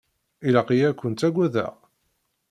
Ilaq-iyi ad kent-agadeɣ?